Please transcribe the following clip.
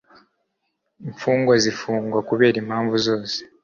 imfungwa zifungwa kubera impamvu zose